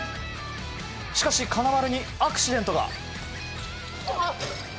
しかし、金丸にアクシデントが。